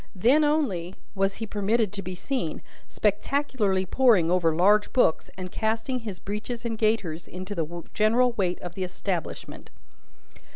Then only was he permitted to be seen, spectacularly poring over large books, and casting his breeches and gaiters into the general weight of the establishment.